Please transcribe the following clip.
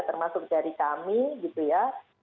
termasuk dari kami gitu ya